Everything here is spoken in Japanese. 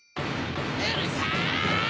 うるさい！